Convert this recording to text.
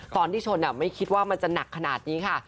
ตอนที่ชนไม่คิดว่ามันจะหนักขนาดนี้ค่ะ